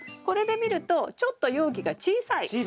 これで見るとちょっと容器が小さい。